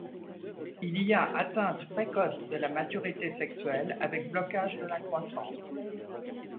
Il y a atteinte précoce de la maturité sexuelle avec blocage de la croissance.